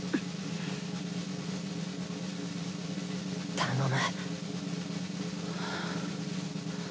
頼む。